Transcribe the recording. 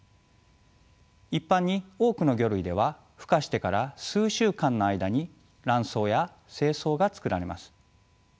一般に多くの魚類ではふ化してから数週間の間に卵巣や精巣が作られます。